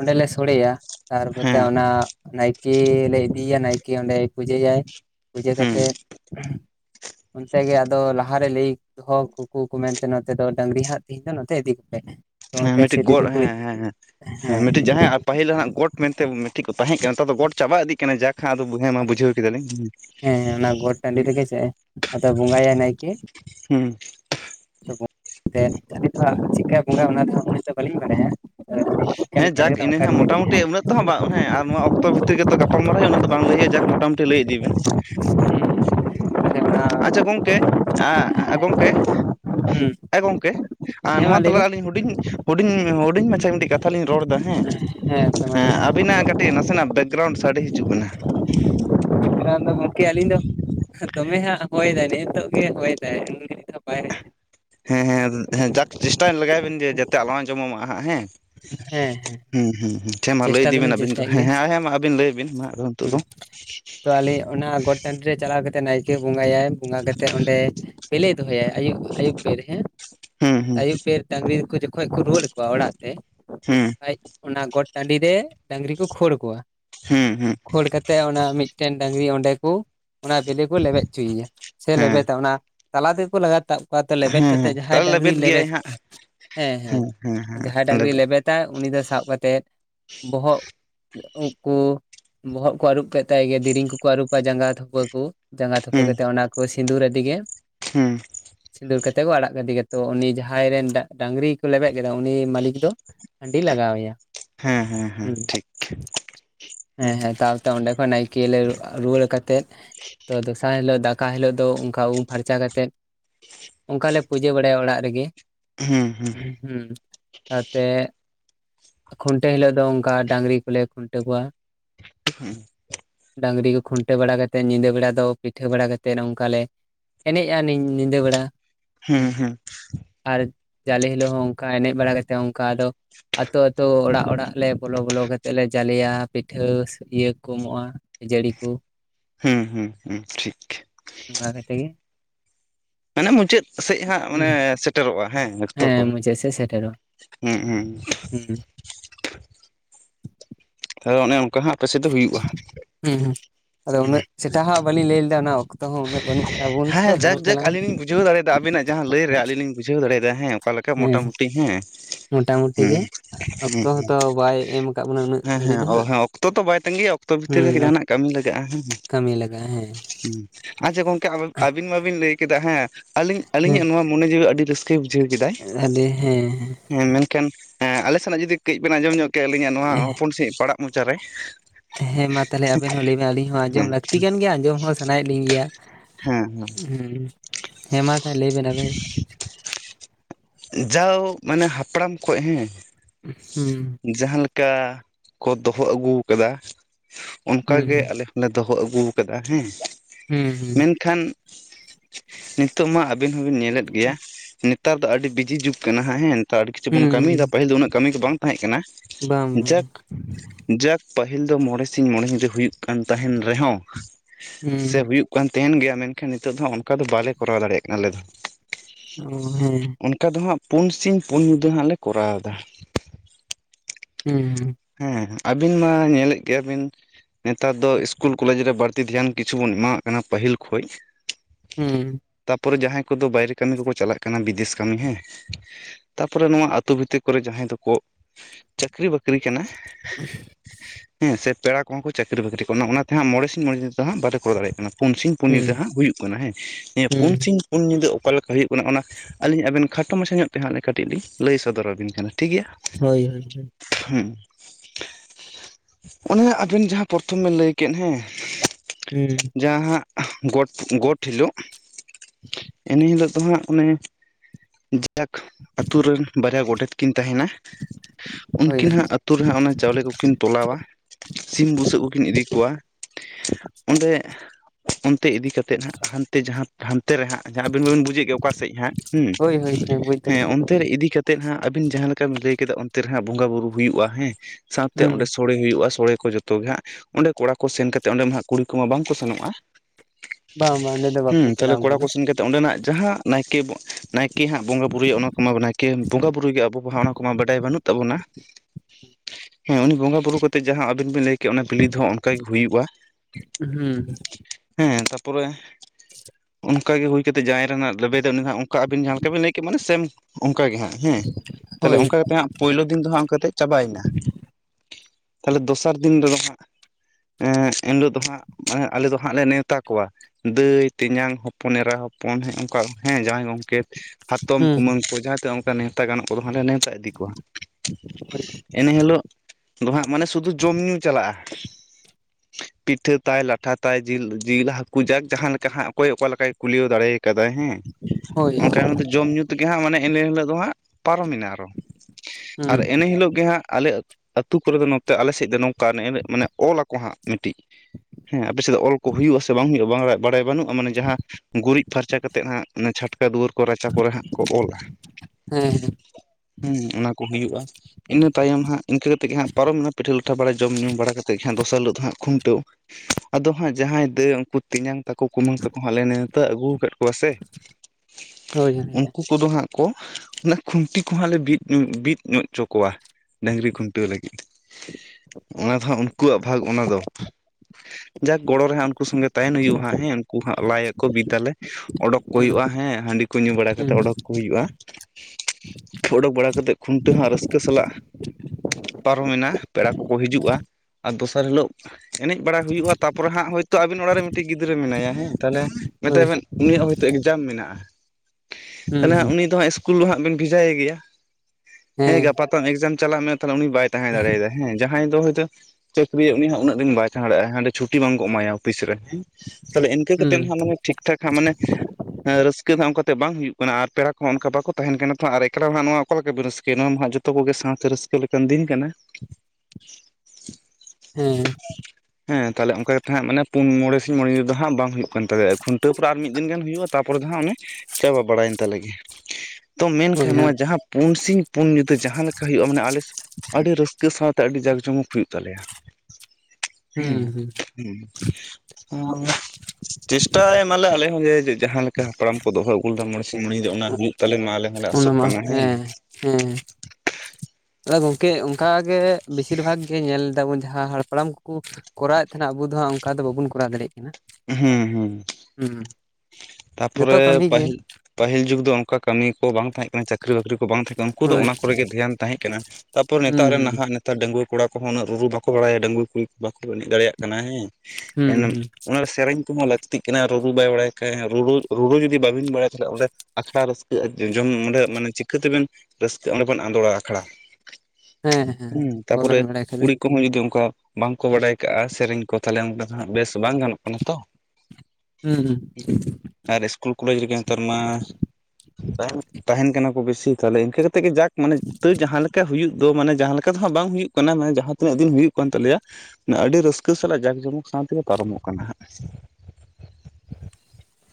ᱚᱸᱰᱮᱞᱮ ᱥᱳᱲᱮᱭᱟ ᱛᱟᱨᱯᱚᱨᱛᱮ ᱦᱮᱸ ᱚᱱᱟ, ᱱᱟᱭᱠᱮᱻ ᱞᱮ ᱤᱫᱤᱭᱮᱭᱟ ᱱᱟᱭᱠᱮ ᱚᱸᱰᱮ ᱯᱩᱡᱟᱹᱭᱟᱭ ᱯᱩᱡᱟᱹ ᱦᱩᱸ ᱠᱟᱛᱮᱫ, ᱚᱱᱛᱮ ᱜᱮ ᱟᱫᱚ ᱞᱟᱦᱟᱨᱮ ᱞᱟᱹᱭ ᱫᱚᱦᱚ ᱟᱠᱚᱼᱠᱚ, ᱢᱮᱱᱛᱮ ᱱᱚᱛᱮ ᱫᱚ ᱰᱟᱝᱨᱤ ᱦᱟᱸᱜ ᱛᱮᱦᱤᱧ ᱫᱚ ᱱᱚᱛᱮ ᱤᱫᱤ ᱠᱚᱯᱮ᱾ ᱛᱚ ᱦᱮᱸ ᱚᱱᱛᱮ ᱥᱮ ᱢᱤᱫᱴᱤᱡ ᱤᱫᱤ ᱜᱚᱫᱽ ᱫᱚᱠᱚ ᱦᱮᱸ-ᱦᱮᱸ-ᱦᱮᱸ, ᱦᱮᱸ ᱢᱤᱫᱴᱤᱡ ᱡᱟᱦᱟᱸᱭᱟᱜ, ᱯᱟᱹᱦᱤᱞ ᱦᱟᱸᱜ ᱜᱚᱴ ᱢᱮᱱᱛᱮ ᱢᱤᱫᱴᱤᱡᱽ ᱠᱚ ᱛᱟᱦᱮᱸ ᱠᱟᱱᱟ ᱱᱮᱛᱟᱨ ᱫᱚ ᱜᱚᱴ ᱪᱟᱵᱟ ᱤᱫᱤᱜ ᱠᱟᱱᱟ ᱡᱟᱠᱷ ᱟᱫᱚ ᱦᱮᱸ ᱢᱟ ᱵᱩᱡᱷᱟᱹᱣ ᱠᱮᱫᱟᱞᱤᱧ᱾ ᱦᱮᱸ ᱚᱱᱟ ᱜᱚᱴ ᱴᱟᱺᱰᱤ ᱨᱮᱜᱮ ᱥᱮ ᱟᱫᱚ ᱵᱚᱸᱜᱟᱭᱟᱭ ᱱᱟᱭᱠᱮ᱾ ᱦᱮᱸ᱾ ᱛᱚ ᱜᱚᱝᱼᱠᱮ‌ ᱟᱞᱤᱫᱚ ᱦᱟᱜ ᱪᱮᱜᱠᱟᱭ ᱵᱚᱸᱜᱟᱭᱟ ᱚᱱᱟ ᱫᱚ ᱦᱟᱸᱜ ᱩᱱᱤᱜ ᱫᱚ ᱵᱟᱞᱤᱧ ᱵᱟᱲᱟᱭᱟᱼᱼ [INAUDIBLE] ᱦᱮ ᱡᱟᱠ ᱤᱱᱟᱹ ᱦᱟᱸ ᱢᱚᱴᱟᱢᱩᱴᱤ ᱩᱱᱟᱹᱜ ᱛᱚ ᱦᱟᱸᱜ ᱵᱟ, ᱦᱮᱸ ᱟᱨ ᱱᱚᱣᱟ ᱚᱠᱛᱚ ᱵᱷᱤᱛᱤᱨ ᱜᱮᱛᱚ ᱜᱟᱯᱟᱞᱢᱟᱨᱟᱣ ᱦᱩᱭᱩᱜᱼᱟ ᱩᱱᱟᱜ ᱫᱚ ᱵᱟᱝ ᱞᱟᱹᱭ ᱦᱩᱭᱩᱜᱼᱟ ᱡᱟᱠ ᱢᱚ ᱴᱟᱢᱩᱴᱤ ᱞᱟᱹᱭ ᱤᱫᱤ ᱵᱮᱱ᱾ ᱦᱮᱸ ᱢᱟ ᱟᱪᱪᱷᱟ ᱜᱚᱢᱠᱮ ᱟ ᱜᱚᱢᱠᱮ ᱦᱩᱸ ᱮ ᱜᱚᱢᱠᱮ, ᱟᱨ ᱦᱮᱸ ᱢᱟ ᱱᱚᱣᱟ ᱞᱟᱹᱭ ᱛᱟᱦᱞᱮ ᱵᱮᱱ ᱟᱹᱞᱤᱧ ᱦᱩᱰᱤᱧ, ᱦᱩᱰᱤᱧ, ᱦᱩᱰᱤᱧ ᱢᱟᱪᱷᱟ ᱢᱤᱫᱽᱴᱮᱡᱽ, ᱠᱟᱛᱷᱟ ᱞᱤᱧ ᱨᱚᱲ ᱮᱫᱟ ᱦᱮᱸ, ᱛᱚ ᱢᱟ ᱦᱮᱸ ᱞᱟᱹᱭ ᱟᱨ ᱟᱹᱵᱤᱱᱟᱜ ᱠᱟᱹᱴᱤᱡ ᱱᱟᱥᱮᱱᱟᱜ ᱵᱮᱠᱜᱨᱟᱣᱩᱱᱰ ᱥᱟᱰᱮ ᱦᱤᱡᱩᱜ ᱠᱟᱱᱟ᱾ ᱟᱫᱚ ᱜᱚᱢᱠᱮ ᱟᱹᱞᱤᱧ ᱫᱚ, ᱫᱚᱢᱮ ᱦᱟᱸᱜ ᱦᱚᱭ ᱫᱟᱭ ᱱᱮᱜ ᱱᱤᱛᱚᱜ ᱜᱮ ᱦᱚᱭ ᱫᱟᱭ ᱩᱱᱫᱤᱱ ᱫᱚ ᱵᱟᱭ ᱦᱚᱭ ᱛᱟᱦᱸᱮᱫ᱾ ᱦᱮᱸᱼᱦᱮᱸᱼᱦᱮᱸ ᱡᱟᱠ ᱪᱮᱥᱴᱟ ᱞᱟᱜᱟᱭ ᱵᱤᱱ ᱡᱟᱛᱮ ᱟᱞᱚ ᱟᱧᱡᱚᱢᱚᱜ ᱢᱟ ᱦᱟᱸᱜ ᱦᱮᱸ᱾ ᱦᱮᱸ ᱦᱮᱸ ᱦᱮᱸ-ᱦᱮᱸ-ᱦᱮᱸᱪᱦᱟᱸ ᱢᱟ ᱞᱟᱹᱭ ᱪᱮᱥᱴᱟ ᱤᱫᱤ ᱵᱤᱱ ᱫᱚᱞᱤᱧ ᱟᱹᱵᱤᱱ ᱫᱚ ᱪᱮᱥᱴᱟᱭᱮᱫ ᱜᱮᱭᱟ ᱦᱮᱸ-ᱦᱮᱸ ᱢᱟ ᱟᱹᱵᱤᱱ ᱞᱟᱹᱭ ᱵᱤᱱ ᱢᱟ ᱟᱨᱦᱚᱸ ᱱᱤᱛᱚᱜ ᱫᱚ᱾ ᱛᱳ ᱟᱞᱮ ᱚᱱᱟ ᱜᱚᱴ ᱴᱟᱺᱰᱤ ᱨᱮ ᱪᱟᱞᱟᱣ ᱠᱟᱛᱮᱫ ᱱᱟᱭᱠᱮ ᱵᱚᱸᱜᱟᱭᱟᱭ ᱵᱚᱸᱜᱟ ᱠᱟᱛᱮᱫ ᱚᱸᱰᱮ, ᱯᱟᱸᱭᱞᱟᱹᱭ ᱫᱚᱳᱭᱟᱭ ᱟᱭᱩᱵ, ᱟᱭᱩᱵ ᱯᱟᱹᱭᱞᱟᱹ ᱦᱮ᱾ ᱦᱩᱸ ᱦᱩᱸ ᱟᱹᱭᱩᱵ ᱵᱮᱨ ᱰᱟᱹᱝᱨᱤ ᱠᱚ ᱡᱚᱠᱷᱚᱱ ᱠᱚ ᱨᱩᱭᱣᱟᱹᱲ ᱠᱚᱣᱟ ᱚᱲᱟᱜ ᱛᱮ᱾ ᱩᱱ ᱦᱮᱸ᱾ ᱡᱚᱠᱷᱟᱡ ᱚᱱᱟ ᱜᱚᱴ ᱴᱟᱺᱰᱤ ᱨᱮ ᱰᱟᱹᱝᱨᱤ ᱠᱚ ᱠᱷᱟᱹᱲ ᱠᱚᱣᱟ᱾ ᱦᱮᱸ-ᱦᱮᱸ᱾ ᱠᱷᱟᱹᱲ ᱠᱟᱛᱮᱫ ᱚᱱᱟ ᱢᱤᱫᱴᱮᱱ ᱰᱟᱹᱝᱨᱤ ᱚᱸᱰᱮ ᱠᱩ, ᱚᱱᱟ ᱵᱮᱞᱮ ᱠᱚ ᱞᱮᱵᱮᱫᱽ ᱚᱪᱚᱭᱮᱭᱟ, ᱥᱮ ᱦᱮᱸ ᱞᱮᱵᱮᱫᱟ ᱚᱱᱟ ᱛᱟᱞᱟ ᱛᱮᱜᱮ ᱠᱚ ᱞᱟᱜᱟ ᱛᱟᱵᱽ, ᱠᱚᱣᱟ ᱛᱚ ᱦᱮᱸ ᱦᱮᱸ ᱡᱟᱦᱟᱸᱭ ᱛᱟᱦᱚᱞᱮ ᱰᱟᱝᱨᱤ ᱞᱮᱵᱮᱫ ᱜᱮᱭᱟᱭ ᱞᱮᱵᱮᱫᱽ ᱦᱟᱸᱜ ᱦᱮᱸ-ᱦᱮᱸ ᱦᱮᱸ ᱦᱮᱸ ᱦᱮᱸ ᱡᱟᱦᱟᱸᱭ ᱰᱟᱝᱨᱤ ᱞᱮᱵᱮᱫ ᱞᱮᱵ ᱵᱮᱛᱟᱭ ᱩᱱᱤ ᱫᱚ ᱥᱟᱵᱽ ᱠᱟᱛᱮᱫ ᱵᱚᱦᱚᱜ ᱩᱵᱠᱩ ᱵᱚᱦᱚᱜ ᱠᱩ ᱟᱹᱨᱩᱵ ᱠᱮᱫ ᱛᱟᱭ ᱜᱮ ᱫᱮᱨᱮᱧ ᱠᱚᱠᱚ ᱟᱹᱨᱩᱵᱟ ᱡᱟᱸᱜᱟ ᱛᱷᱩᱠᱟᱹ ᱠᱚ᱾ ᱡᱟᱸᱜᱟ ᱛᱷᱚᱯᱟᱹ ᱦᱩᱸ ᱠᱟᱛᱮᱫ ᱚᱱᱟ ᱠᱚ ᱥᱤᱸᱫᱩᱨ ᱟᱫᱮᱜᱮ᱾ ᱦᱩᱸ᱾ ᱥᱤᱸᱫᱩᱨ ᱠᱟᱛᱮ ᱠᱚ ᱟᱲᱟᱜ ᱠᱮᱫᱮ ᱜᱮᱛᱚ ᱩᱱᱤ ᱡᱟᱦᱟᱸᱭ ᱨᱮᱱ ᱰᱟᱝᱨᱤ ᱠᱚ ᱞᱮᱵᱮᱫ ᱠᱮᱫᱟ ᱩᱱᱤ ᱢᱟᱹᱞᱤᱠ ᱫᱚ ᱦᱟᱺᱰᱤ ᱞᱟᱜᱟᱣᱭᱟ᱾ ᱦᱮᱸ ᱦᱮᱸ ᱛᱟᱨ ᱛᱚ ᱚᱸᱰᱮ ᱠᱷᱚᱱ ᱱᱟᱭᱠᱮ ᱞᱮ ᱨᱩᱣᱟᱹᱲᱠᱟᱛᱮᱫ ᱛᱚ ᱫᱚᱥᱟᱨ ᱦᱤᱞᱳᱜ ᱫᱟᱠᱟ ᱦᱤᱞᱳᱜ ᱫᱚ ᱚᱱᱠᱟ ᱩᱢ ᱯᱷᱟᱨᱪᱟ ᱠᱟᱛᱮᱫ᱾ ᱚᱱᱠᱟ ᱞᱮ ᱯᱩᱡᱟᱹ ᱵᱟᱲᱟᱭᱟ ᱚᱲᱟᱜ ᱨᱮᱜᱮ᱾ ᱦᱩᱸ ᱦᱩᱸ᱾ ᱦᱩᱸ᱾ ᱛᱮ ᱠᱷᱩᱱᱴᱟᱹᱣ ᱦᱤᱞᱟᱹᱜ ᱫᱚ ᱚᱱᱠᱟ ᱰᱟᱹᱟᱝᱨᱤ ᱠᱚᱞᱮ ᱠᱷᱩᱱᱴᱟᱹᱣ ᱠᱚᱣᱟ᱾ ᱦᱮᱸ᱾ ᱰᱟᱝᱨᱤ ᱠᱚ ᱠᱷᱩᱱᱴᱟᱹᱣ ᱵᱟᱲᱟ ᱠᱟᱛᱮᱫ ᱧᱤᱫᱟᱹ ᱵᱮᱲᱟ ᱫᱚ ᱯᱤᱴᱷᱟᱹ ᱵᱟᱲᱟ ᱠᱟᱛᱮᱫ ᱚᱱᱠᱟ ᱞᱮ ᱮᱱᱮᱡᱼᱟ ᱱᱤᱧ ᱧᱤᱫᱟᱹ ᱵᱮᱲᱟ᱾ ᱦᱩᱸᱼᱦᱩᱸ᱾ ᱟᱨ ᱡᱟᱞᱮ ᱦᱤᱞᱳᱜ ᱦᱚᱸ ᱚᱱᱠᱟ ᱮᱱᱮᱡ ᱵᱟᱲᱟ ᱠᱟᱛᱮ ᱚᱱᱠᱟ ᱟᱫᱚ ᱟᱹᱛᱩ ᱟᱹᱛᱩ ᱚᱲᱟᱜᱼᱚᱲᱟᱜ ᱞᱮ ᱵᱚᱞᱚᱼᱵᱚᱞᱚ ᱠᱟᱛᱮᱜ ᱞᱮ ᱡᱟᱞᱮᱭᱟ ᱯᱤᱴᱷᱟᱹ ᱤᱭᱟᱹ ᱠᱚ ᱮᱢᱚᱜᱼᱟ᱾ ᱠᱷᱹᱡᱟᱹᱲᱤ ᱠᱚ᱾ ᱦᱩᱸ ᱦᱩᱸ ᱦᱩᱸ ᱴᱷᱤᱠ᱾ ᱚᱱᱠᱟ ᱠᱟᱛᱮ ᱜᱮ᱾ ᱢᱟᱱᱮ ᱢᱩᱪᱟᱹᱫ ᱥᱮᱜ ᱦᱟᱸᱜ ᱢᱟᱱᱮ ᱥᱮᱴᱮᱨᱚᱜᱼᱟ, ᱦᱮᱸ ᱚᱠᱛᱚ ᱠᱚ᱾ ᱢᱩᱪᱟᱹᱫ ᱥᱮᱫ ᱥᱮᱴᱮᱨᱚᱜᱼᱟ ᱦᱮᱸ ᱦᱮᱸ᱾ ᱦᱩᱸ᱾ ᱦᱚᱸ ᱚᱱᱮ ᱚᱱᱠᱟ ᱦᱟᱸᱜ᱾ ᱟᱯᱮ ᱥᱮᱫ ᱫᱚ ᱦᱩᱭᱩᱜᱼᱟ ᱦᱩᱸ ᱦᱩᱸ ᱟᱫᱚ ᱥᱮᱛᱟᱜ ᱦᱟᱸᱜ ᱵᱟᱹᱞᱤᱧ ᱞᱟᱭ ᱞᱮᱫᱟ ᱚᱱᱟ ᱚᱠ ᱦᱮᱸ ᱡᱟᱠ ᱡᱟᱠ ᱟᱞᱤᱧ ᱞᱤᱧ ᱵᱩᱡᱷᱟᱹᱣ ᱫᱟᱲᱮᱭᱟᱫᱟ ᱟᱵᱤᱱᱟᱜ ᱡᱟᱦᱟᱸ ᱞᱟᱹᱭᱨᱮ ᱟᱹᱞᱤᱧ ᱞᱤᱧ ᱵᱩᱡᱷᱟᱹᱣ ᱫᱟᱲᱮᱭᱟᱫᱟ ᱦᱮᱸ᱾ ᱚᱠᱟ ᱞᱮᱠᱟ ᱦᱮᱸ ᱢᱳᱚᱴᱟᱢᱩᱴᱤ ᱦᱮᱸ᱾ ᱢᱚᱴᱟᱢᱩᱴᱤ ᱦᱸ ᱜᱮ ᱦᱸ ᱚᱠᱛᱚ ᱦᱚᱸᱛᱚ ᱵᱟᱭ ᱮᱢ ᱟᱠᱟᱫ ᱵᱚᱱᱟ ᱩᱱᱟᱹᱜ ᱦᱮᱸ ᱜᱷᱟᱹᱲᱤᱡ ᱦᱮᱸ ᱫᱚ ᱦᱟᱸᱜ ᱦᱮᱸ ᱚᱠᱛᱚ ᱛᱚ ᱵᱟᱭ ᱛᱟᱸᱜᱤᱭᱟ ᱚᱠ ᱛᱚ ᱵᱷᱤᱛᱤᱨ ᱦᱩᱸ ᱨᱮᱜᱮ ᱡᱟᱦᱟᱱᱟᱜ ᱠᱟᱹᱢᱤ ᱞᱟᱜᱟᱜᱼᱟ ᱦᱮᱸ ᱠᱟᱹᱢᱤ ᱞᱟᱜᱟᱜᱼᱟ ᱦᱮᱸ ᱦᱸ᱾ ᱟᱪᱪᱷᱟ ᱜᱚᱝᱠᱮ ᱟᱵᱤᱱ ᱢᱟᱵᱤᱱ ᱞᱟᱹᱭ ᱠᱮᱫᱟ ᱦᱮᱸ ᱟᱹᱞᱤᱧ ᱟᱹᱞᱤᱧᱟᱜ ᱦᱮᱸ ᱱᱚᱣᱟ ᱢᱚᱱᱮ ᱡᱤᱣᱤ ᱟᱹᱰᱤ ᱨᱟᱹᱥ ᱠᱟᱹ ᱵᱩᱡᱷᱟᱹᱣ ᱠᱮᱫᱟᱭ ᱟᱹᱰᱤ ᱦᱮᱸ ᱦᱮᱸ ᱢᱮᱱ ᱠᱷᱟᱱ ᱟᱞᱮ ᱥᱮᱱᱟᱜ ᱡᱩᱫᱤ ᱠᱟᱹᱡ ᱵᱮᱱ ᱟᱸᱡᱚᱢ ᱧᱚᱜ ᱠᱮ ᱟᱹᱞᱤᱧᱟᱜ ᱱᱚᱣᱟ ᱦᱚᱯᱚᱱ ᱥᱟᱦᱤᱡ ᱯᱟᱲᱟᱜ ᱢᱚᱪᱟ ᱨᱮ᱾ ᱦᱮᱸ ᱢᱟ ᱛᱟᱦᱚᱞᱮ ᱟᱵᱮᱱ ᱦᱚᱸ ᱞᱟᱹᱭ ᱵᱮᱱ ᱟᱹᱞᱤᱧ ᱦᱚᱸ ᱟᱸᱡᱚᱢ ᱦᱮᱸ ᱞᱟᱹᱠᱛᱤ ᱠᱟᱱ ᱜᱮᱭᱟ ᱟᱸᱡᱚᱢ ᱦᱚᱸ᱾ ᱥᱟᱱᱟᱭᱮᱫ ᱞᱤᱧ ᱜᱮᱭᱟ ᱦᱮᱸ ᱦᱮᱸ ᱦᱩᱸ, ᱦᱮᱸ ᱢᱟᱦ ᱛᱟᱦᱞᱮ‌ ᱞᱟᱹᱭ ᱵᱮᱱ ᱟᱵᱮᱱ᱾ ᱡᱟᱣ ᱢᱟᱱᱮ ᱦᱟᱯᱲᱟᱢ ᱠᱷᱚᱪ ᱦᱮᱸ᱾ ᱦᱩᱸ᱾ ᱡᱟᱦᱟᱸ ᱞᱮᱠᱟ ᱠᱚ ᱫᱚᱦᱚ ᱟᱹᱜᱩ ᱟᱠᱟᱫᱟ ᱚᱱᱠᱟ ᱜᱮ ᱦᱩᱸ ᱟᱞᱮ ᱞᱮ ᱫᱚᱦᱚ ᱟᱹᱜᱩ ᱟᱠᱟᱫᱟ ᱦᱮᱸ ᱦᱩᱸ ᱦᱩᱸ ᱢᱮᱱ ᱠᱷᱟᱱ ᱱᱤᱛᱚᱜ ᱢᱟᱸ ᱟᱵᱤᱱ ᱦᱚᱸᱵᱤᱱ ᱧᱮᱞᱮᱫ ᱜᱮᱭᱟ ᱱᱮᱛᱟᱨ ᱫᱚ ᱟᱹᱰᱤ ᱵᱤᱡᱤ ᱡᱩᱜᱽ ᱠᱟᱱᱟ ᱦᱟᱸ ᱦᱮᱸ᱾ ᱛᱚ ᱟᱹᱰᱤ ᱠᱤᱪᱷᱩᱵᱩᱱ ᱠᱟᱹᱢᱤᱭᱮᱫᱟ ᱦᱩᱸ ᱯᱟᱹᱦᱤᱞ ᱫᱚ ᱩᱱᱟᱹᱜ ᱠᱟᱹᱢᱤ ᱠᱚ ᱵᱟᱝ ᱛᱟᱦᱮᱸ ᱠᱟᱱᱟ ᱵᱟᱝ ᱵᱟᱝ ᱡᱟᱠ, ᱡᱟᱠ᱾ ᱯᱟᱹᱦᱤᱞ ᱫᱚ ᱢᱚᱲᱮ ᱥᱤᱧ ᱢᱚᱲᱮ ᱧᱤᱱᱫᱟᱹ ᱦᱩᱭᱩᱜ ᱠᱟᱱ ᱛᱟᱦᱮᱱ ᱨᱮ᱾ ᱦᱩᱸ ᱥᱮ ᱦᱩᱭᱩᱜ ᱠᱟᱱ ᱛᱟᱦᱮᱱ ᱜᱮᱭᱟ ᱢᱮᱱ ᱠᱷᱟᱱ ᱱᱤᱛᱚᱜ ᱫᱚ ᱦᱟᱜ ᱚᱱᱠᱟ ᱫᱚ ᱵᱟᱞᱮ ᱠᱚᱨᱟᱣ ᱫᱟᱲᱮᱭᱟᱜ ᱠᱟᱱᱟ ᱟᱞᱮ ᱫᱚ᱾ ᱚᱻᱦᱮᱸ᱾ ᱱᱤᱛᱟᱹᱜ ᱫᱚ ᱦᱟᱸᱜ ᱯᱩᱱ ᱥᱤᱧ ᱯᱩᱱ ᱧᱤᱫᱟᱹ ᱦᱟᱸᱜ ᱞᱮ ᱠᱚᱨᱟᱣ ᱫᱟ᱾ ᱦᱩᱸᱻ ᱦᱮᱸ ᱟᱵᱤᱱ ᱢᱟᱸ ᱧᱮᱞᱮᱫ ᱜᱮᱭᱟ ᱵᱤᱱ ᱱᱮᱛᱟᱨ ᱫᱚ ᱤᱥᱠᱩᱞ ᱠᱚᱞᱮᱡᱽ ᱨᱮ ᱵᱟᱹᱲᱛᱤ ᱫᱷᱮᱭᱟᱱ ᱠᱤᱪᱷᱩ ᱵᱩᱱ ᱮᱢᱟᱜ ᱠᱟᱱᱟ ᱯᱟᱹᱦᱤᱞ ᱠᱷᱚᱡ ᱦᱩᱸᱻ ᱛᱟᱨ ᱯᱚᱨᱮ ᱡᱟᱦᱟᱸᱭ ᱠᱚᱫᱚ ᱵᱟᱭᱨᱮ ᱠᱟᱹᱢᱤ ᱠᱚᱠᱚ ᱪᱟᱞᱟᱜ ᱠᱟᱱᱟ ᱵᱤᱫᱮᱥ ᱠᱟᱹᱢᱤ ᱦᱮᱸ ᱛᱟᱯᱚᱨᱮ ᱱᱚᱣᱟ ᱟᱛᱩ ᱵᱷᱤᱛᱤᱨ ᱠᱚᱨᱮ ᱡᱟᱦᱟᱸᱭ ᱫᱚᱠᱚ ᱪᱟᱹᱠᱨᱤ ᱵᱟᱹᱠ ᱠᱨᱤ ᱠᱟᱱᱟ ᱦᱮᱸ ᱥᱮ ᱯᱮᱲᱟ ᱠᱚᱦᱚ ᱠᱚ ᱪᱟᱹᱠᱨᱤ ᱵᱟᱹᱠᱨᱤ ᱠᱚ ᱠᱟᱱᱟ ᱚᱱᱟ ᱛᱮ ᱦᱟᱜ ᱢᱚᱬᱮ ᱥᱤᱧ ᱢᱚᱬᱮ ᱧᱤᱸᱫᱟᱹ ᱫᱚ ᱦᱟᱸᱜ ᱞᱮ ᱠᱚᱨᱟᱣ ᱫᱟᱲᱭᱟᱜ ᱠᱟᱱᱟ ᱯᱩᱱ ᱥᱤᱧ ᱦᱩᱸ ᱯᱩᱱ ᱦᱩᱸ ᱧᱤᱫᱟᱹ ᱦᱟᱸᱜ ᱦᱩᱭᱩᱜ ᱠᱟᱱᱟ ᱦᱮᱸ ᱱᱤᱭᱟ. ᱦᱩᱸ ᱯᱩᱱᱥᱤᱧ ᱯᱩᱱ ᱧᱤᱫᱟᱹ ᱚᱠᱟ ᱞᱮᱠᱟ ᱦᱩᱭᱩᱜ ᱠᱟᱱᱟ ᱚᱱᱟ ᱟᱹᱞᱤᱧ ᱟᱵᱮᱱ ᱠᱷᱟᱴᱚ ᱢᱟᱪᱷᱟ ᱧᱚᱜ ᱛᱮ ᱦᱟᱸᱜ ᱠᱟᱹᱴᱤᱡ ᱞᱤᱧ ᱞᱟᱹᱭ ᱥᱚᱫᱚᱨ ᱟᱵᱤᱱ ᱠᱟᱱᱟ ᱴᱷᱤᱠ ᱜᱤᱭᱟ ᱦᱳᱭ, ᱦᱳᱭ, ᱦᱚᱭ ᱦᱩᱸ ᱚᱱᱮ ᱟᱵᱤᱱ ᱡᱟᱦᱟᱸ ᱯᱚᱨᱛᱷᱚᱢ ᱵᱮᱱ ᱞᱟᱹᱭ ᱠᱮᱫ ᱦᱮᱸ ᱦᱩᱸ ᱡᱟᱦᱟᱸ ᱦᱟᱸᱜ ᱜᱚᱴ, ᱜᱚᱴ ᱦᱤᱞᱳᱜ, ᱮᱱ ᱦᱤᱞᱳᱜ ᱫᱚ ᱦᱟᱸᱜ ᱚᱱᱮ ᱡᱟᱠ ᱟᱛᱩᱨ ᱨᱮᱱ ᱵᱟᱨᱭᱟ ᱜᱚᱰᱮᱛ ᱠᱤᱱ ᱛᱟᱦᱮᱱᱟ ᱦᱳᱭ ᱩᱱᱠᱤᱱ ᱦᱟᱸᱜ ᱟᱛᱩ ᱨᱮ ᱦᱟᱸᱜ ᱚᱱᱟ ᱪᱟᱣᱞᱮ ᱠᱚᱠᱤᱱ ᱛᱚᱞᱟᱣᱟ ᱥᱤᱢ ᱵᱩᱥᱟᱹᱜ ᱠᱚᱠᱤᱱ ᱤᱫᱤ ᱠᱩᱣᱟ ᱚᱸᱰᱮ ᱚᱱᱛᱮ ᱤᱫᱤ ᱠᱟᱛᱮ ᱦᱟᱸᱜ ᱦᱟᱱᱛᱮ ᱡᱟᱦᱟᱸ ᱦᱟᱱᱛᱮ ᱨᱮ ᱦᱟᱸᱜ, ᱡᱟᱦᱟ ᱟᱵᱤᱱ ᱵᱟᱵᱤᱱ ᱵᱩᱡᱮᱫ ᱜᱮᱭᱟ ᱚᱠᱟ ᱥᱮᱫ ᱦᱟᱸᱜ ᱦᱩᱸ ᱦᱳᱭ ᱦᱳᱭ ᱦᱮᱸ ᱵᱩᱡᱽ ᱫᱟᱲᱮᱭᱟᱜ ᱦᱮᱸ ᱚᱱᱛᱮ ᱨᱮ ᱤᱫᱤ ᱠᱟᱛᱮᱫ ᱦᱟᱜ ᱟᱵᱤᱱ ᱡᱟᱦᱟᱸ ᱞᱮᱠᱟ ᱵᱤᱱ ᱞᱟᱹᱭ ᱠᱮᱫᱟ ᱚᱱᱛᱮ ᱨᱮ ᱦᱟᱜ ᱵᱚᱸᱜᱟ ᱵᱩᱨᱩ ᱦᱩᱭᱩᱜᱼᱟ ᱦᱮᱸ ᱥᱟᱶᱛᱮ ᱦᱩᱸ ᱚᱸᱰᱮ ᱥᱚᱲᱮ ᱦᱩᱭᱩᱜᱼᱟ ᱥᱚᱲᱮ ᱠᱚ ᱡᱚᱛᱚ ᱜᱮ ᱦᱟᱸᱜ ᱚᱸᱰᱮ ᱠᱚᱲᱟ ᱠᱩ ᱥᱮᱱ ᱠᱟᱛᱮᱜ ᱚᱸᱰᱮ ᱢᱟ ᱦᱟᱜ ᱠᱩᱲᱤ ᱠᱚᱢᱟ ᱵᱟᱝᱠᱚ ᱥᱮᱱᱚᱜᱼᱟ, ᱵᱟᱝ ᱵᱟᱝ ᱚᱱᱰᱮ ᱫᱚ ᱵᱟᱠᱩ ᱪᱟᱞᱟᱜᱼᱟ ᱩᱱᱠᱩ ᱫᱚ ᱛᱚ ᱚᱸᱰᱮᱱᱟᱜ ᱡᱟᱦᱟᱸ ᱱᱟᱭᱠᱮ ᱱᱟᱭᱠᱮ ᱦᱟᱸᱜ ᱵᱚᱸᱜᱟ ᱵᱩᱨᱩᱭᱟ ᱚᱱᱟ ᱠᱚᱢᱟ ᱱᱟᱭᱠᱮ ᱵᱚᱸᱜᱟ ᱵᱩᱨᱩᱭ ᱜᱮ ᱟᱵᱩ ᱠᱚ ᱦᱟᱸᱜ ᱚᱱᱟ ᱠᱚᱢᱟ ᱵᱟᱰᱟᱭ ᱵᱟᱹᱱᱩᱜ ᱱᱟ ᱦᱮᱸ ᱩᱱᱤ ᱵᱚᱸᱜᱟ ᱵᱩᱨᱩ ᱠᱟᱛᱮᱜ ᱡᱟᱦᱟᱸ ᱟᱵᱤᱱ ᱵᱤᱱ ᱞᱟᱹᱭ ᱠᱮᱫ ᱚᱱᱟ ᱵᱤᱱᱤᱫ ᱦᱚᱸ ᱚᱱᱠᱟᱜ ᱜᱮ ᱦᱩᱭᱩᱜᱼᱟ, ᱦᱩᱸ ᱦᱮᱸ ᱛᱟᱯᱚᱨᱮ [INAUDIBLE] ᱩᱱᱠᱟ ᱜᱮ ᱦᱩᱭ ᱠᱟᱛᱮᱫ ᱡᱟᱦᱟᱸᱭ ᱨᱮᱱᱟᱜ ᱞᱮᱵᱮᱫᱟ ᱩᱱᱤ ᱦᱟᱜ ᱚᱱᱠᱟ ᱟᱵᱤᱱ ᱡᱟᱦᱟᱸ ᱞᱮᱠᱟᱵᱤᱱ ᱞᱟᱹᱭ ᱠᱮᱫ ᱢᱟᱱᱮ ᱥᱮᱢ ᱚᱱᱠᱟ ᱜᱮ ᱦᱟᱸᱜ ᱦᱮᱸ ᱛᱟᱦᱞᱮ ᱦᱳᱭ ᱚᱱᱠᱟ ᱠᱟᱛᱮ ᱦᱟᱜ ᱯᱳᱭᱞᱳ ᱫᱤᱱ ᱫᱚ ᱦᱟᱸᱜ ᱚᱱᱠᱟ ᱠᱟᱛᱮ ᱪᱟᱵᱟᱭ ᱱᱟ ᱛᱟᱦᱚᱞᱮ ᱫᱚᱥᱟᱨ ᱫᱤᱱ ᱨᱮ ᱫᱚ ᱦᱟᱸᱜ ᱮᱸᱻ ᱮᱱᱦᱤᱞᱳᱜ ᱫᱚ ᱦᱟᱸᱜ ᱟᱞᱮ ᱫᱚ ᱦᱟᱸᱜ ᱞᱮ ᱱᱮᱣᱛᱟ ᱠᱚᱣᱟ ᱫᱟᱹᱭᱼ ᱛᱮᱧᱟᱝ, ᱦᱚᱯᱚᱱ ᱮᱨᱟ, ᱦᱚᱯᱚᱱ, ᱚᱱᱠᱟ ᱦᱮᱸ ᱡᱟᱣᱟᱸᱭ ᱜᱚᱝᱠᱮᱛ ᱦᱟᱛᱚᱢ ᱦᱩᱸ ᱠᱩᱢᱟᱹᱝ ᱠᱚ ᱡᱟᱦᱟᱸ ᱛᱤᱱᱟᱜ ᱚᱱᱠᱟ ᱱᱮᱶᱛᱟ ᱜᱟᱱᱚᱜ ᱠᱚᱫᱚ ᱦᱟᱸᱰᱮ ᱱᱮᱶᱛᱟ ᱤᱫᱤ ᱠᱚᱣᱟ [UNINTELLIGIBLE] ᱮᱱᱦᱤᱞᱳᱜ ᱫᱚ ᱦᱟᱸᱜ ᱢᱟᱱᱮ ᱥᱩᱫᱷᱩ ᱡᱚᱢ ᱧᱩ ᱪᱟᱞᱟᱜᱼᱟ [INAUDIBLE] ᱯᱤᱴᱷᱟᱹ ᱛᱟᱭ ᱞᱟᱴᱷᱟ ᱛᱟᱭ ᱡᱤᱞ ᱡᱤᱞ ᱦᱟᱹᱠᱩ ᱡᱟᱠ ᱡᱟᱦᱟᱸ ᱞᱮᱠᱟ ᱦᱟᱸᱜ ᱚᱠᱚᱭ ᱚᱠᱟ ᱞᱮᱠᱟᱭ ᱠᱩᱞᱟᱹᱣ ᱫᱟᱲᱮ ᱠᱟᱫᱟᱭ ᱦᱮᱸ ᱦᱳᱭ ᱚᱱᱠᱟ ᱫᱚ ᱡᱚᱢ ᱧᱩ ᱛᱮᱜᱮ ᱦᱟᱸᱜ ᱢᱟᱱᱮ ᱤᱱᱟᱹ ᱦᱤᱞᱳᱜ ᱫᱚ ᱦᱟᱸᱜ ᱯᱟᱨᱚᱢ ᱮᱱᱟ ᱟᱨᱦᱚ ᱟᱨ ᱦᱩᱸ ᱮᱱᱹ ᱦᱤᱞᱳᱜ ᱜᱮ ᱦᱟᱸᱜ ᱟᱞᱮ ᱟᱹᱛᱩ ᱠᱚᱨᱮ ᱫᱚ ᱱᱚᱛᱮ ᱟᱞᱮ ᱥᱮᱫ ᱫᱚ ᱱᱚᱝᱠᱟ ᱢᱟᱱᱮ ᱚᱞ ᱟᱠᱚ ᱦᱟᱸᱜ ᱢᱤᱫᱴᱤᱡ ᱦᱮᱸ ᱟᱯᱮ ᱥᱮᱫ ᱫᱚ ᱚᱞ ᱠᱚ ᱦᱩᱭᱩᱜᱼᱟ ᱥᱮ ᱵᱟᱝ ᱦᱩᱭᱩᱜᱼᱟ ᱵᱟᱝ ᱵᱟᱲᱟᱭ ᱵᱟᱹᱱᱩᱜᱼᱟ ᱢᱟᱱᱮ ᱡᱟᱦᱟᱸ ᱜᱩᱨᱤᱡ ᱯᱷᱟᱨᱪᱟ ᱠᱟᱛᱮᱫ ᱦᱟᱸᱜ ᱪᱷᱟᱴᱠᱟ ᱠᱟ ᱫᱩᱣᱟᱹᱨ ᱠᱚ ᱨᱟᱪᱟ ᱠᱚᱨᱮ ᱦᱟᱸᱜ ᱠᱚ ᱚᱞᱟ ᱦᱮᱸ ᱦᱮᱸ ᱚᱱᱟ ᱠᱚ ᱦᱩᱭᱩᱜᱼᱟ ᱤᱱᱟᱹ ᱛᱟᱭᱚᱢ ᱦᱟᱸᱜ ᱤᱱᱠᱟᱹ ᱠᱟᱛᱮ ᱜᱮ ᱦᱟᱸᱜ ᱯᱟᱨᱚᱢᱱᱟ ᱯᱤᱴᱷᱟᱹ ᱞᱟᱴᱷᱟ ᱡᱚᱢ ᱧᱩ ᱵᱟᱲᱟ ᱠᱟᱛᱮ ᱜᱮ ᱦᱟᱸᱜ ᱫᱚᱥᱟᱨ ᱦᱤᱞᱳ ᱫᱚ ᱦᱟᱸᱜ ᱠᱷᱩᱱᱴᱟᱹᱣ ᱟᱫᱚ ᱦᱟᱸᱜ ᱡᱟᱦᱟᱸᱭ ᱫᱟᱹᱭ ᱩᱝᱠᱩ ᱛᱮᱧᱟᱝ ᱛᱟᱠᱚ ᱠᱩᱢᱟᱹᱝ ᱛᱟᱠᱚ ᱦᱟᱸᱜ ᱞᱮ ᱱᱮᱣᱛᱟ ᱟᱹᱜᱩ ᱟᱠᱟᱫ ᱠᱚᱣᱟ ᱥᱮ ᱦᱳᱭ ᱦᱩᱸ ᱩᱱᱠᱩ ᱠᱚᱫᱚ ᱦᱟᱸᱜ ᱠᱚ ᱚᱱᱟ ᱠᱷᱩᱱᱴᱤ ᱠᱚ ᱦᱟᱸᱜ ᱞᱮ ᱵᱤᱫ ᱵᱤᱫ ᱧᱚᱜ ᱪᱚ ᱠᱚᱣᱟ ᱰᱟᱹᱝᱨᱤ ᱠᱷᱩᱱᱴᱟᱹᱣ ᱞᱟᱹᱜᱤᱫ᱾ ᱚᱱᱟ ᱫᱚ ᱦᱟᱸᱜ ᱩᱱᱠᱩᱣᱟᱜ ᱵᱷᱟᱜ ᱚᱱᱟ ᱫᱚ ᱡᱟᱠ ᱜᱚᱲᱚ ᱨᱮ ᱦᱟᱸᱜ ᱩᱱᱠᱩ ᱥᱚᱸᱜᱮ ᱛᱟᱦᱮᱱ ᱦᱩᱭᱩᱜ-ᱟ ᱦᱟᱸᱜ ᱦᱮᱸ ᱩᱱᱠᱩ ᱦᱟᱸᱜ ᱞᱟᱭ ᱟᱠᱚ ᱵᱤᱫᱟᱞᱮ ᱚᱰᱚᱠ ᱠᱚ ᱦᱩᱭᱩᱜ-ᱟ ᱦᱮᱸ ᱦᱟᱹᱰᱤ ᱠᱚ ᱧᱩ ᱵᱟᱲᱟ ᱠᱟᱛᱮ ᱦᱩᱸ ᱚᱰᱚᱠ ᱠᱩ ᱦᱩᱭᱩᱜ-ᱟ ᱚᱰᱚᱠ ᱵᱟᱲᱟ ᱠᱟᱛᱮᱫ ᱠᱷᱩᱱᱴᱟᱹᱣ ᱦᱟᱸᱜ ᱨᱟᱹᱥᱠᱟᱹ ᱥᱟᱞᱟᱜ ᱯᱟᱨᱚᱢᱮᱱᱟ ᱯᱮᱲᱟ ᱠᱚᱠᱚ ᱦᱤᱡᱩᱜ-ᱟ ᱟᱨ ᱫᱚᱥᱟᱨ ᱦᱤᱞᱳᱜ ᱮᱱᱮᱡ ᱵᱟᱲᱟᱭ ᱦᱩᱭᱩᱜ-ᱟ ᱛᱟᱯᱚᱨᱮ ᱦᱟᱸᱜ ᱦᱳᱭᱛᱳ ᱟᱵᱤᱱ ᱚᱲᱟᱜ ᱨᱮ ᱢᱤᱫᱴᱤᱡ ᱜᱤᱫᱽᱨᱟᱹ ᱢᱮᱱᱟᱭᱟ ᱦᱮᱸ ᱛᱟᱦᱚᱞᱮ ᱦᱳᱭ ᱢᱮᱛᱟᱭ ᱵᱮᱱ ᱩᱱᱤᱭᱟᱜ ᱦᱳᱭᱛᱳ ᱮᱠᱡᱟᱢ ᱢᱮᱱᱟᱜ-ᱟ ᱦᱩᱸ ᱛᱟᱦᱞᱮ ᱦᱟᱸᱜ ᱩᱱᱤ ᱫᱚ ᱦᱟᱸᱜ ᱤᱥᱠᱩᱞ ᱫᱚ ᱦᱟᱸᱜ ᱵᱮᱱ ᱵᱷᱮᱡᱟᱭᱮ ᱜᱮᱭᱟ, ᱦᱮᱸ ᱜᱟᱯᱟᱛᱟᱢ ᱮᱠᱡᱟᱢ ᱪᱟᱞᱟᱜ ᱢᱮ ᱛᱟᱦᱞᱮ ᱩᱱᱤ ᱵᱟᱭ ᱛᱟᱦᱮᱸ ᱫᱟᱲᱮᱭᱴ ᱟᱫᱟᱭ᱾ ᱦᱮᱸ ᱡᱟᱦᱟᱸᱭ ᱫᱚ ᱦᱳᱭᱛᱚ ᱪᱟᱹᱠᱨᱤᱭᱟ ᱩᱱᱤ ᱦᱚᱸ ᱩᱱᱟᱹᱜ ᱫᱤᱱ ᱵᱟᱭ ᱛᱟᱦᱮᱸ ᱫᱟᱲᱮᱭᱟᱜ-ᱟ ᱦᱟᱸᱰᱮ ᱪᱷᱩᱴᱤ ᱵᱟᱝᱠᱚ ᱮᱢᱟᱭᱟ ᱚᱯᱷᱤᱥ ᱨᱮ ᱦᱮᱸ ᱛᱟᱦᱞᱮ ᱤᱱᱠᱟᱹ ᱦᱩᱸ ᱠᱟᱛᱮᱫ ᱦᱟᱸᱜ ᱢᱟᱱᱮ ᱴᱷᱤᱠ ᱴᱷᱟᱠ ᱦᱟᱸᱜ ᱢᱟᱱᱮ ᱨᱟᱹᱥᱠᱟᱹ ᱫᱚ ᱦᱟᱸᱜ ᱚᱝᱠᱟ ᱛᱮ ᱵᱟᱝ ᱦᱩᱭᱩᱜ ᱠᱟᱱᱟ ᱟᱨ ᱯᱮᱲᱟ ᱠᱚᱦᱚᱸ ᱚᱱᱠᱟ ᱵᱟᱠᱚ ᱛᱟᱦᱮᱱ ᱠᱟᱱᱟ ᱛᱚ ᱟᱨ ᱮᱠᱞᱟ ᱫᱚ ᱦᱟᱸᱜ ᱱᱚᱣᱟ ᱚᱠᱟ ᱞᱮᱠᱟᱵᱤᱱ ᱨᱟᱹᱥᱠᱟᱹᱭᱟ ᱱᱚᱣᱟ ᱢᱟ ᱦᱟᱸᱜ ᱡᱚᱛ ᱠᱚᱜᱮ ᱥᱟᱶᱛᱮ ᱨᱟᱹᱥᱠᱟᱹ ᱞᱮᱠᱟᱱ ᱫᱤᱱ ᱠᱟᱱᱟ, ᱦᱮᱸ [INAUDIBLE] ᱦᱮᱸ ᱛᱟᱦᱞᱮ ᱚᱝᱠᱟ ᱠᱟᱛᱮᱜ ᱦᱟᱸᱜ ᱢᱟᱱᱮ ᱯᱩᱱ ᱢᱚᱬᱮ ᱥᱤᱧ ᱢᱚᱬᱮ ᱧᱤᱫᱟ. ᱫᱚ ᱦᱟᱸᱜ ᱵᱟᱝ ᱦᱩᱭᱩᱜ ᱠᱟᱱ ᱛᱟᱞᱮᱭᱟ ᱠᱷᱩᱱᱴᱟᱹᱣ ᱯᱚᱨᱮ ᱟᱨ ᱢᱤᱫ ᱫᱤᱱ ᱜᱟᱱ ᱦᱩᱭᱩᱜ-ᱟ ᱛᱟᱯᱚᱨᱮ ᱫᱚ ᱦᱟᱸᱜ ᱚᱱᱮ ᱪᱟᱵᱟ ᱵᱟᱲᱟᱭᱮᱱ ᱛᱟᱞᱮ ᱜᱮ᱾ ᱛᱚ ᱦᱳᱭ ᱢᱮᱱᱠᱷᱟᱱ ᱦᱳᱭ ᱱᱚᱣᱟ ᱡᱟᱦᱟᱸ ᱯᱩᱱ ᱥᱤᱧ ᱯᱩᱱ ᱧᱤᱫᱟᱹ ᱡᱟᱦᱟᱸ ᱞᱮᱠᱟ ᱦᱩᱭᱩᱜ-ᱟ ᱢᱟᱱᱮ ᱟᱞᱮ ᱥᱮ ᱟᱹᱰᱤ ᱨᱟᱹᱥᱠᱟᱹ ᱥᱟᱶ ᱛᱮ ᱟᱹᱰᱤ ᱡᱟᱠ ᱡᱚᱢᱚᱠ ᱦᱩᱭᱩᱜ ᱛᱟᱞᱮᱭᱟ ᱦᱩᱸ, ᱦᱩᱸ ᱪᱮᱥᱴᱟᱭ ᱢᱟᱞᱮ ᱟᱞᱮ ᱦᱚᱸ ᱡᱮ ᱡᱟᱦᱟᱸ ᱞᱮᱠᱟ ᱦᱟᱯᱲᱟᱢ ᱫᱚᱦᱚ ᱟᱹᱜᱩ ᱞᱮᱫᱟ ᱢᱚᱬᱮ ᱥᱤᱧ ᱢᱚᱬᱮ ᱧᱤᱫᱟ. ᱫᱚ ᱚᱱᱟ ᱦᱩᱭᱩᱜ ᱛᱟᱞᱮ ᱢᱟ ᱟᱞᱮ ᱦᱚᱸᱞᱮ ᱚᱱᱟ ᱟᱥᱚᱜ ᱢᱟ ᱠᱟᱱᱟ ᱦᱮᱸ᱾ ᱦᱮᱸ ᱟᱫᱚ ᱜᱚᱝᱠᱮ ᱚᱝᱠᱟ ᱜᱮ ᱵᱮᱥᱤᱨ ᱵᱷᱟᱜᱽ ᱜᱮ ᱧᱮᱞ ᱫᱟᱵᱚᱱ ᱡᱟᱦᱟᱸ ᱦᱟᱯᱲᱟᱢ ᱠᱚᱠᱩ ᱠᱚᱨᱟᱣᱮᱫ ᱛᱟᱦᱮᱱᱟ ᱟᱵᱩ ᱫᱚ ᱦᱟᱸᱜ ᱚᱝᱠᱟ ᱫᱚ ᱵᱟᱵᱩᱱ ᱠᱚᱨᱟᱣ ᱫᱟᱲᱮᱜ ᱠᱟᱱᱟ, ᱦᱩᱸ ᱦᱩᱸ ᱦᱩᱸ ᱡᱚᱛᱚ ᱛᱟᱯᱚᱨᱮ ᱠᱟᱹᱢᱤ ᱜᱮ ᱯᱟᱹᱦᱤᱞ ᱯᱟᱹᱦᱤᱞ ᱡᱩᱜᱽ ᱫᱚ ᱚᱱᱠᱟ ᱠᱟᱹᱢᱤ ᱠᱚ ᱵᱟᱝ ᱛᱟᱦᱮᱸᱜ ᱠᱟᱱᱟ ᱪᱟᱹᱠᱨᱤ ᱵᱟᱹᱠᱨᱤ ᱠᱚ ᱵᱟᱝ ᱛᱟᱦᱮᱸ ᱠᱟᱱᱟ ᱩᱱᱠᱩ ᱫᱚ ᱦᱳᱭ ᱚᱱᱟ ᱠᱚᱨᱮ ᱜᱮ ᱫᱷᱮᱭᱟᱱ ᱛᱟᱦᱮᱸᱜ ᱠᱟᱱᱟ᱾ ᱛᱟᱯᱚᱨ ᱦᱩᱸ ᱱᱮᱛᱟᱜ ᱨᱮᱱ ᱦᱩᱸ ᱱᱟᱦᱟᱜ ᱱᱮᱛᱟᱨ ᱰᱟᱸᱜᱣᱟᱹ ᱠᱚᱲᱟ ᱠᱚᱸᱦᱚ ᱩᱱᱟᱹᱜ ᱨᱩᱨᱩ ᱵᱟᱠᱚ ᱵᱟᱲᱟᱭᱟ ᱰᱟᱸᱜᱣᱟᱹ ᱠᱩᱲᱤ ᱠᱚ ᱵᱟᱠᱚ ᱮᱱᱮᱡ ᱫᱟᱲᱮᱭᱟᱜ ᱠᱟᱱᱟ ᱦᱩᱸ ᱦᱮᱸ, ᱦᱩᱸ ᱚᱱᱟ ᱥᱮᱨᱮᱧ ᱠᱚᱦᱚᱸ ᱞᱟᱹᱠᱛᱤᱜ ᱠᱟᱱᱟ ᱨᱩᱨᱩ ᱵᱟᱭ ᱵᱟᱲᱟᱭ ᱠᱷᱟᱡ ᱨᱩᱨᱩ ᱨᱩᱨᱩ ᱡᱩᱫᱤ ᱵᱟᱵᱤᱱ ᱵᱟᱲᱟᱭᱟ ᱛᱟᱦᱚᱞᱮ ᱚᱸᱰᱮ ᱟᱠᱷᱲᱟ ᱨᱟᱹᱥᱠᱟᱹ [UNINTELLIGIBLE] ᱚᱸᱰᱮ ᱢᱟᱱᱮ ᱪᱤᱠᱟᱹ ᱛᱮᱵᱮᱱ ᱨᱟᱹᱥᱠᱟᱹ ᱚᱸᱰᱮ ᱵᱮᱱ ᱟᱸᱫᱳᱲᱟ ᱟᱠᱷᱲᱟ ᱦᱮᱸ ᱦᱮᱸ ᱦᱩᱸ ᱛᱟᱯᱚᱨᱮ ᱵᱟᱵᱮᱱ ᱵᱟᱲᱟᱭ ᱠᱷᱟᱹᱛᱤᱨ ᱠᱩᱲᱤ ᱠᱚ ᱩᱱᱠᱩᱦᱚᱸ ᱡᱩᱫᱤ ᱚᱝᱠᱟ ᱵᱟᱝᱠᱚ ᱵᱟᱰᱟᱭ ᱠᱟᱜ-ᱟ ᱥᱮᱨᱮᱧ ᱠᱚ ᱛᱟᱦᱞᱮ ᱚᱱᱠᱟ ᱫᱚ ᱦᱟᱸᱜ ᱵᱮᱥ ᱵᱟᱝ ᱜᱟᱱᱚᱜ ᱠᱟᱱᱟ ᱛᱚ, ᱦᱩᱸ ᱦᱩᱸ ᱟᱨ ᱤᱥᱠᱩᱞ ᱠᱚᱞᱮᱡᱽ ᱨᱮᱜᱮ ᱦᱮᱛᱟᱨ ᱢᱟ ᱛᱟᱦᱮᱱ ᱠᱟᱱᱟ ᱠᱚ ᱵᱤᱥᱤ ᱛᱟᱦᱞᱮ ᱤᱱᱠᱟᱹ ᱠᱟᱛᱮ ᱜᱮ ᱡᱟᱠ ᱢᱟᱱᱮ ᱛᱟᱹᱣ ᱡᱟᱦᱟ ᱞᱮᱠᱟ ᱦᱩᱭᱩᱜ ᱫᱚ ᱢᱟᱱᱮ ᱡᱟᱦᱟᱸ ᱞᱮᱠᱟ ᱫᱚ ᱦᱟᱸᱜ ᱵᱟᱝ ᱦᱩᱭᱩᱜ ᱠᱟᱱᱟ ᱢᱟᱱᱮ ᱡᱟᱦᱟᱸ ᱛᱤᱱᱟᱹᱜ ᱫᱤᱱ ᱦᱩᱭᱩᱜ ᱠᱟᱱ ᱛᱟᱞᱮᱭᱟ ᱱᱟᱜ ᱟᱹᱰᱤ ᱨᱟᱹᱥᱠᱟᱹ ᱥᱟᱞᱟᱜ ᱡᱟᱠ ᱡᱚᱢᱚᱠ ᱥᱟᱶ ᱛᱮᱜᱮ ᱯᱟᱨᱚᱢᱚᱜ ᱠᱟᱱᱟ ᱦᱟᱸᱜ᱾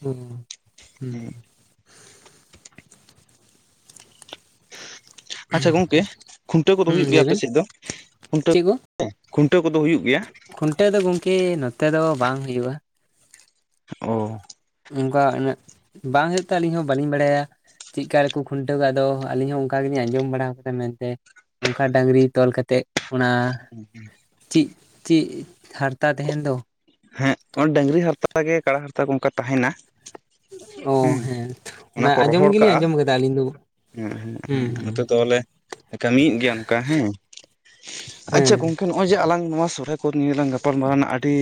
ᱦᱩᱸ ᱦᱩᱸ ᱦᱟᱸᱜ ᱟᱪᱪᱷᱟ ᱜᱚᱝᱠᱮ ᱠᱷᱩᱱᱴᱟᱹᱣ ᱠᱚᱫᱚ ᱦᱩᱭᱩᱜ ᱦᱩᱸ ᱜᱮᱭᱟ ᱟᱯᱮ ᱞᱟᱹᱭᱵᱮᱱ ᱥᱮᱫ ᱫᱚ? ᱠᱷᱩᱱᱴᱟᱹᱣ ᱪᱮᱫ ᱠᱚ? ᱠᱷᱩᱱᱴᱟᱹᱣ ᱠᱚᱫᱚ ᱦᱩᱭᱩᱜ ᱜᱮᱭᱟ᱾ ᱠᱷᱩᱱᱴᱟᱹᱣ ᱫᱚ ᱜᱚᱝᱠᱮ ᱱᱚᱛᱮ ᱫᱚ ᱵᱟᱝ ᱦᱩᱭᱩᱜ-ᱟ᱾ ᱚᱸ ᱚᱝᱠᱟ ᱩᱱᱟᱹᱜ ᱵᱟᱝ ᱦᱩᱭᱩᱜ ᱛᱮ ᱟᱹᱞᱤᱧ ᱦᱚᱸ ᱵᱟᱹᱞᱤᱧ ᱵᱟᱲᱟᱭᱟ᱾ ᱪᱮᱜᱠᱟ ᱨᱮᱠᱚ ᱠᱷᱩᱱᱴᱟᱹᱣ ᱠᱟᱣ ᱟᱫᱚ ᱟᱹᱞᱤᱧ ᱦᱚᱸ ᱚᱝᱠᱟ ᱜᱮᱞᱤᱧ ᱟᱸᱡᱚᱢ ᱵᱟᱲᱟᱣ ᱠᱟᱫᱟ ᱢᱮᱱᱛᱮ ᱚᱝᱠᱟ ᱰᱟᱹᱝᱨᱤ ᱛᱚᱞ ᱠᱟᱛ ᱛᱮᱜ ᱚᱱᱟ ᱪᱤᱜ ᱪᱤᱜ ᱦᱟᱨᱛᱟ ᱛᱟᱦᱮᱱ ᱫᱚ? ᱦᱮᱸ ᱚ ᱰᱟᱝᱨᱤ ᱦᱟᱨᱛᱟ ᱜᱮ ᱠᱟᱲᱟ ᱦᱟᱨᱛᱟ ᱠᱚ ᱚᱱᱠᱟ ᱛᱟᱦᱮᱸᱱᱟ᱾ ᱚ ᱦᱮᱸ ᱚᱱᱟ ᱟᱸᱡᱚᱢ ᱜᱮᱞᱤᱧ ᱟᱸᱡᱚᱢ ᱠᱟᱫᱟ ᱟᱹᱞᱤᱧ ᱫᱚ ᱦᱩᱸ ᱦᱩᱸ ᱦᱩᱸ ᱱᱚᱛᱮ ᱫᱚᱣ ᱞᱮ ᱠᱟᱹᱢᱤᱭᱮᱫ ᱜᱮᱭᱟ ᱚᱱᱠᱟ ᱦᱮᱸ ᱦᱮᱸ ᱱᱚᱜ-ᱚᱭ ᱡᱮ ᱟᱞᱟᱝ ᱱᱚᱣᱟ ᱥᱚᱦᱨᱟᱭ ᱠᱚ ᱱᱤᱭᱟᱹᱞᱟᱝ ᱜᱟᱯᱟᱞᱢᱟᱨᱟᱣ ᱱᱟ ᱟᱹᱰᱤ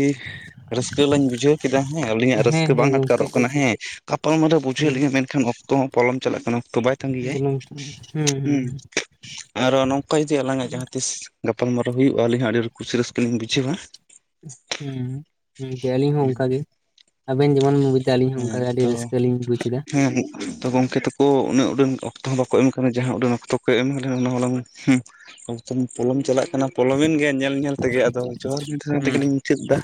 ᱨᱟᱹᱥᱠᱟᱹ ᱞᱟᱹᱧ ᱵᱩᱡᱷᱟᱹᱣ ᱠᱮᱫᱟ ᱦᱮᱸ ᱟᱹᱞᱤᱧᱟᱜ ᱦᱮᱸ ᱨᱟᱹᱥᱠᱟᱹ ᱦᱮᱸ ᱵᱟᱝ ᱜᱚᱝᱠᱮ ᱟᱴᱠᱟᱨᱚᱜ ᱠᱟᱱᱟ ᱦᱮᱸ ᱜᱟᱯᱟᱞᱢᱟᱨᱟᱣ ᱵᱩᱡᱷᱟᱹᱣ ᱦᱩᱸ ᱞᱤᱧ ᱢᱮᱱ ᱠᱷᱟᱱ ᱚᱠᱛᱚ ᱦᱚᱸ ᱯᱚᱞᱚᱢ ᱪᱟᱞᱟᱜ ᱠᱟᱱᱟ ᱚᱠᱛᱚ ᱵᱟᱭ ᱛᱟᱸᱜᱤᱭᱟᱭ ᱵᱩᱞᱩᱝ ᱦᱩᱸ ᱟᱨᱚ ᱱᱚᱝᱠᱟ ᱡᱩᱫᱤ ᱟᱞᱟᱝᱟᱜ ᱡᱟᱦᱟᱸ ᱛᱤᱥ ᱜᱟᱯᱟᱞᱢᱟᱨᱟ ᱦᱩᱭᱩᱜ-ᱟ ᱟᱹᱞᱤᱧ ᱦᱚᱸ ᱟᱹᱰᱤ ᱠᱩᱥᱤ ᱨᱟᱹᱥ ᱦᱩᱸ ᱦᱩᱸ [INAUDIBLE] ᱟᱞᱤᱧ ᱦᱚᱸ ᱚᱱᱠᱟ ᱜᱮ ᱟᱵᱮᱱ ᱡᱮᱢᱚᱱ ᱵᱩᱡ ᱫᱟ ᱟᱹᱞᱤᱧ ᱚᱱᱠᱟ ᱦᱮᱸ ᱜᱮ ᱟᱹᱰᱤ ᱛᱚ ᱨᱟᱹᱥᱠᱟᱹ ᱞᱤᱧ ᱵᱩᱡ ᱮᱫᱟ᱾ ᱦᱮᱸ ᱛᱚ ᱜᱚᱝᱠᱮ ᱛᱟᱠᱚ ᱩᱱᱟᱹᱜ ᱩᱰᱟᱹᱱ ᱚᱠᱛᱚ ᱦᱚᱸ ᱵᱟᱠᱚ ᱮᱢ ᱠᱟᱱᱟ ᱡᱟᱦᱟᱸ ᱩᱰᱟᱹᱱ ᱚᱠᱛᱚ ᱠᱚ ᱮᱢ ᱞᱮᱱ ᱚᱱᱟ ᱦᱚᱸᱞᱟᱝ ᱦᱩᱸ ᱚᱠᱛᱚᱢ ᱯᱚᱞᱚᱢ ᱪᱟᱞᱟᱜ ᱠᱟᱱᱟ ᱯᱚᱞᱚᱢᱮᱱ ᱜᱮᱭᱟ ᱧᱮᱞ ᱧᱮᱞ ᱛᱮᱜᱮ ᱟᱫᱚ ᱡᱚᱦᱟᱨ ᱜᱮ [UNINTELLIGIBLE] ᱦᱩᱸ ᱛᱮᱜᱮᱞᱤᱧ ᱢᱩᱪᱟᱹᱫ ᱫᱟ᱾